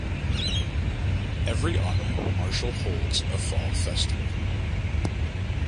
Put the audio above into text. Every autumn Marshall holds a Fall Festival.